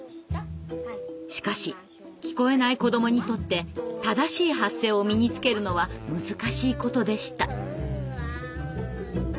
しかし聞こえない子どもにとって正しい発声を身につけるのは難しいことでした。